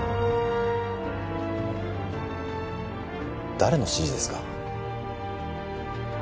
誰の指示ですか？